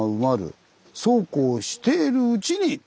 そうこうしているうちに！